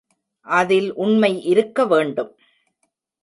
அதில் உண்மை இருக்க வேண்டும்.